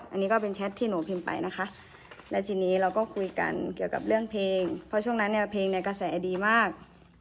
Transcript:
อันนี้ก็เป็นแชทที่หนูพิมพ์ไปนะคะแล้วทีนี้เราก็คุยกันเกี่ยวกับเรื่องเพลงเพราะช่วงนั้นเนี่ยเพลงในกระแสดีมาก